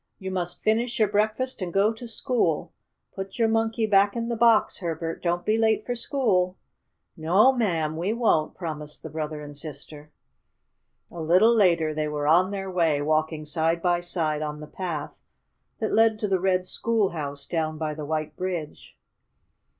"You must finish your breakfast and go to school. Put your Monkey back in the box, Herbert. Don't be late for school." "No'm, we won't!" promised the brother and sister. A little later they were on their way, walking side by side on the path that led to the red school house down by the white bridge.